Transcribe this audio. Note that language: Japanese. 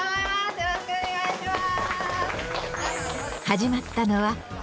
よろしくお願いします。